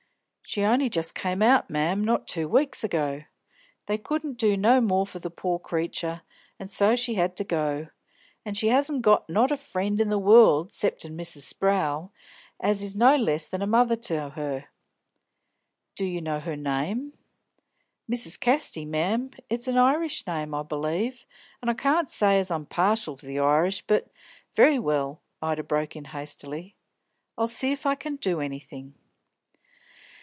"She only just came out, mem, not two weeks ago. They couldn't do no more for the pore creature, and so she had to go. An' she 'asn't not a friend in the world, 'ceptin' Mrs. Sprowl, as is no less than a mother to her." "Do you know her name?" "Mrs. Casty, mem. It's a Irish name, I b'lieve, an' I can't say as I'm partial to the Irish, but " "Very well," Ida broke in hastily. "I'll see if I can do anything."